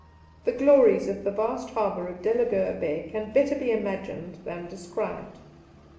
The glories of the vast harbour of Delagoa Bay can better be imagined than described.